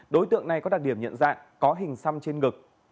đối tượng này có đặc điểm nhận dạng có hình xăm trên ngực